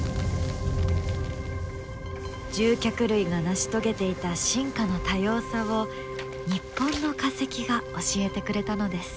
獣脚類が成し遂げていた進化の多様さを日本の化石が教えてくれたのです。